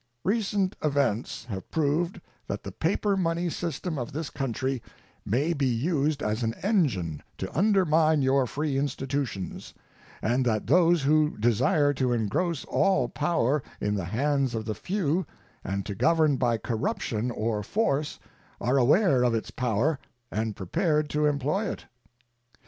Recent events have proved that the paper money system of this country may be used as an engine to undermine your free institutions, and that those who desire to engross all power in the hands of the few and to govern by corruption or force are aware of its power and prepared to employ it.